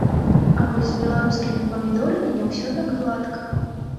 А вось з беларускімі памідорамі не ўсё так гладка.